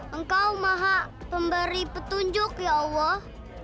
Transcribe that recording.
engkau maha pemberi petunjuk ya allah